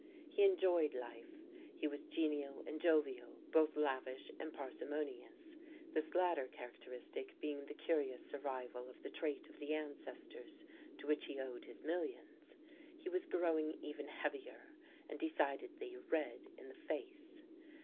He enjoyed life; he was genial and jovial, both lavish and parsimonious, this latter characteristic being the curious survival of the trait of the ancestors to which he owed his millions. He was growing even heavier, and decidedly red in the face.